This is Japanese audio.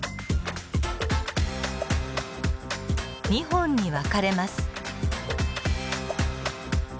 ２本に分かれます。